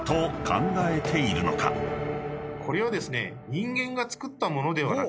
これはですね。